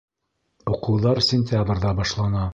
Уҡыуҙар сентябрҙә башлана.